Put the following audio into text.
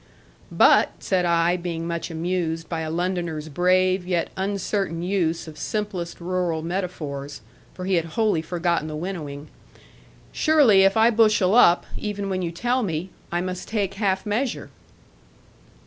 'But,' said I, being much amused by a Londoner's brave, yet uncertain, use of simplest rural metaphors, for he had wholly forgotten the winnowing: 'surely if I bushel up, even when you tell me, I must take half measure.'